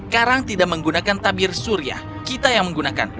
karang tidak menggunakan tabir surya kita yang menggunakan